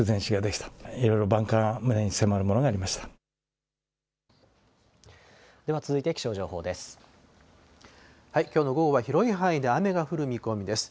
きょうの午後は広い範囲で雨が降る見込みです。